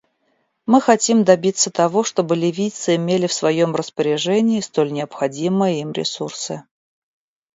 Мы хотим добиться того, чтобы ливийцы имели в своем распоряжении столь необходимые им ресурсы.